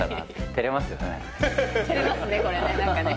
照れますね